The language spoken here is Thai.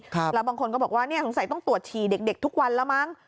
แล้วบางคนก็บอกว่าเนี่ยสงสัยต้องตรวจฉี่เด็กทุกวันแล้วมั้ง